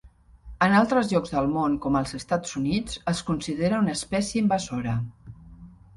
En altres llocs del món com els Estats Units es considera una espècie invasora.